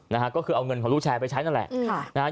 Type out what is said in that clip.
นะฮะก็คือเอาเงินของลูกแชร์ไปใช้นั่นแหละค่ะนะฮะ